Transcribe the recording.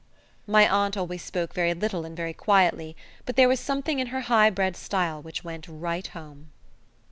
My aunt always spoke very little and very quietly, but there was something in her high bred style which went right home.